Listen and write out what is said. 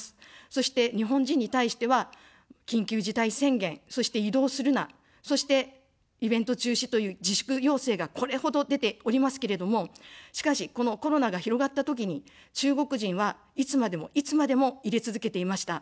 そして日本人に対しては緊急事態宣言、そして移動するな、そしてイベント中止という自粛要請が、これほど出ておりますけれども、しかし、このコロナが広がったときに、中国人は、いつまでもいつまでも入れ続けていました。